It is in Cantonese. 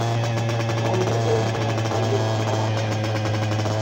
講極都唔聽，係要撼頭埋牆。